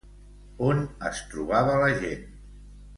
On es trobava la gent?